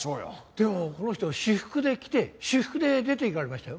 でもこの人私服で来て私服で出ていかれましたよ。